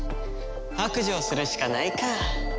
白状するしかないか。